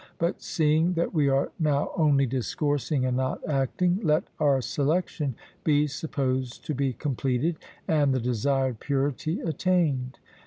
But, seeing that we are now only discoursing and not acting, let our selection be supposed to be completed, and the desired purity attained.